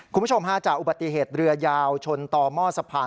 คุณผู้ชมฮาจากอุบัติเหตุเรือยาวชนต่อหม้อสะพาน